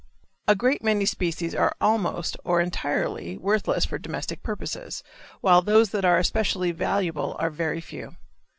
A great many species are almost, or entirely, worthless for domestic purposes, while those that are especially valuable are very few.